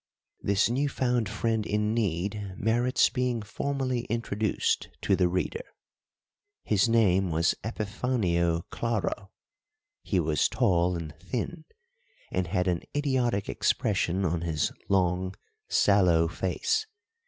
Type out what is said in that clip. This new found friend in need merits being formally introduced to the reader. His name was Epifanio Claro. He was tall and thin, and had an idiotic expression on his long, sallow face.